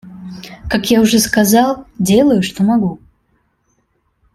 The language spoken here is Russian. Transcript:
Как я уже сказал, делаю, что могу.